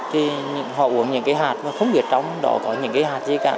thì họ uống những cái hạt mà không biết trong đó có những cái hạt gì cả